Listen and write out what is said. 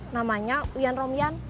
namanya uyan romyan